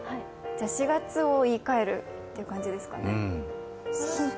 ４月を言いかえるという感じですかね。